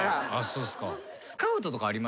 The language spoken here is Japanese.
そうっすか。